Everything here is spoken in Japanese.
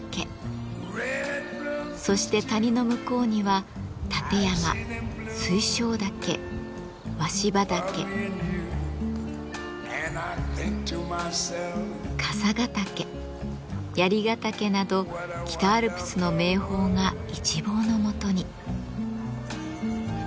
そして谷の向こうには立山水晶岳鷲羽岳笠ヶ岳槍ヶ岳など北アルプスの名峰が一望のもとに。